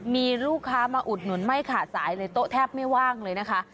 มีลูกค้ามาอุดหนุนไม่ขาดสายเลยโต๊ะแทบไม่ว่างเลยนะคะ